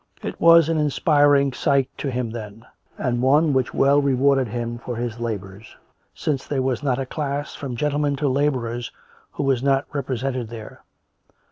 It was an inspiriting sight to him then — and one which well rewarded him for his labours, since there was not a class from gentlemen to labourers who was not represented there.